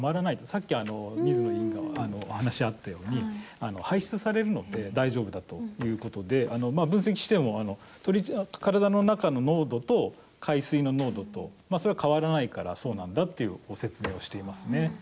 さっき、水野委員からお話があったように排出されるので大丈夫だということで分析しても体の中の濃度と海水の濃度とそれは変わらないからそうなんだっていうご説明をしていますね。